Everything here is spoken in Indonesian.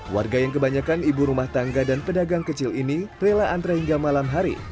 warga yang kebanyakan ibu rumah tangga dan pedagang kecil ini rela antre hingga malam hari